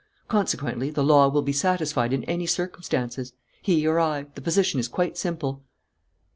Consequently, the law will be satisfied in any circumstances. He or I: the position is quite simple."